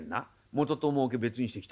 元ともうけ別にしてきたろ。